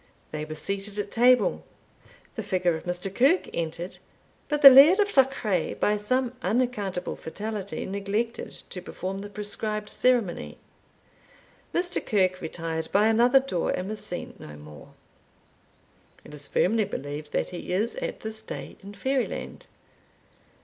They were seated at table; the figure of Mr. Kirke entered, but the Laird of Duchray, by some unaccountable fatality, neglected to perform the prescribed ceremony. Mr. Kirke retired by another door, and was seen no wore. It is firmly believed that he is, at this day, in Fairyland."